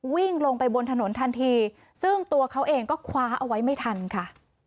วิ่งลงไปบนถนนทันทีซึ่งตัวเขาเองก็คว้าเอาไว้ไม่ทันค่ะ